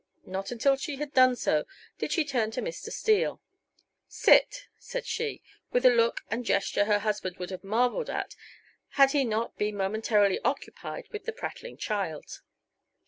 Not until she had done so did she turn to Mr. Steele. "Sit," said she, with a look and gesture her husband would have marveled at had he not been momentarily occupied with the prattling child.